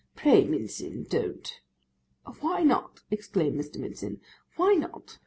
'Pray, Mincin, don't.' 'Why not?' exclaimed Mr. Mincin, 'why not?